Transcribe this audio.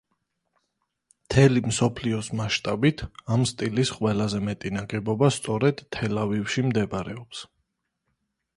მთელი მსოფლიოს მასშტაბით, ამ სტილის ყველაზე მეტი ნაგებობა სწორედ თელ-ავივში მდებარეობს.